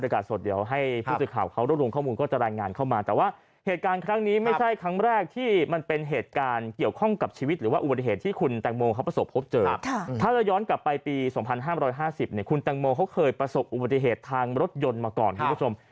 เขาเคยประสบอุบัติเหตุทางรถยนต์มาก่อนคุณผู้ชม